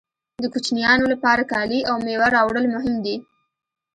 د کوچنیانو لپاره کالي او مېوه راوړل مهم دي